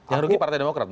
yang rugi partai demokrat